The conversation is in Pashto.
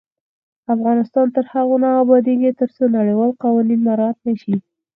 افغانستان تر هغو نه ابادیږي، ترڅو نړیوال قوانین مراعت نشي.